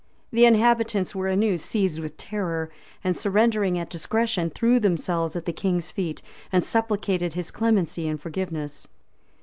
[] The inhabitants were anew seized with terror, and surrendering at discretion, threw themselves at the king's feet, and supplicated his clemency and forgiveness.